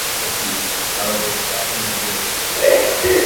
এটি আরবের প্রাথমিক যুগের একটি জাতি।